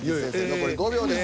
残り５秒です。